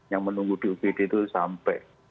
yang menunggu di upd itu sampai